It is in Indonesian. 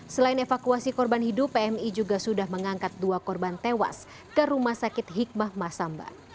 selain evakuasi korban hidup pmi juga sudah mengangkat dua korban tewas ke rumah sakit hikmah masamba